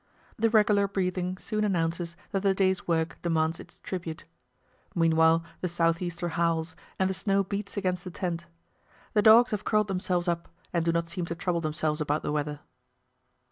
The regular breathing soon announces that the day's work demands its tribute. Meanwhile the south easter howls, and the snow beats against the tent. The dogs have curled themselves up, and do not seem to trouble themselves about the weather.